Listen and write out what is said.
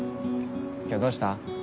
今日どうした？